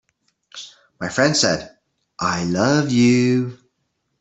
My friend said: "I love you.